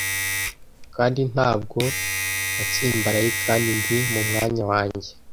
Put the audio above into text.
Kandi ntabwo natsimbaraye, kandi ndi mu mwanya wanjye.